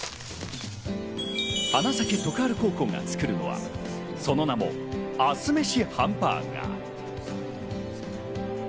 花咲徳栄高校が作るのは、その名もアスメシ飯バーガー。